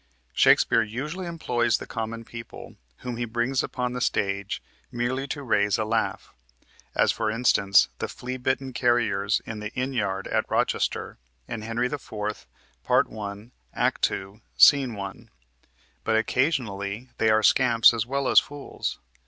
Shakespeare usually employs the common people whom he brings upon the stage merely to raise a laugh (as, for instance, the flea bitten carriers in the inn yard at Rochester, in Henry IV., Part 1, Act 2, Sc. 1), but occasionally they are scamps as well as fools.